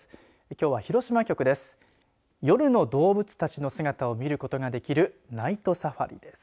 きょうは、広島局です。